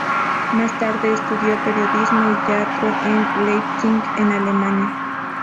Más tarde estudió periodismo y teatro en Leipzig en Alemania.